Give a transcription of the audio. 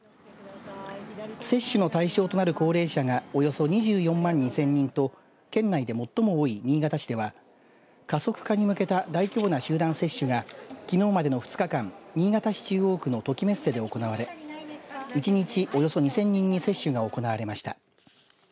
接種の対象となる高齢者がおよそ２４万２０００人と県内で最も多い新潟市では加速化に向けた大規模な集団接種がきのうまでの２日間新潟市中央区の朱鷺メッセで行われ１日およそ２０００人に接種が行われました。